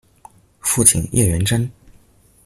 父亲叶原贞。